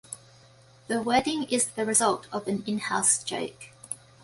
The wording is the result of an in-house joke.